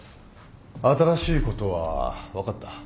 新しいことは分かった？